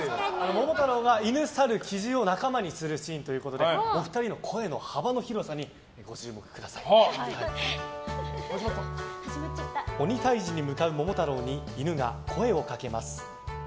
「桃太郎」が犬、サル、キジを仲間にするシーンということでお二人の声の幅の広さに鬼退治に向かう桃太郎に犬が声をかけます。